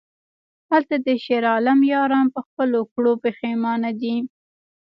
هلته د شیرعالم یاران په خپلو کړو پښیمانه دي...